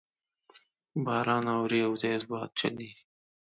باران اوري او تیز باد چلیږي